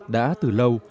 đã từ lâu